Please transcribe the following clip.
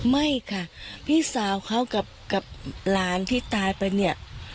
ไม่ค่ะพี่สาวเขากับหลานที่ตายไปเนี่ย